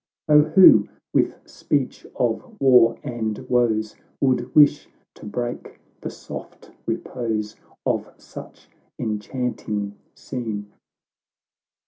O who, with speech of war and woes, AVould wish to break the soft repose Of such enchanting scene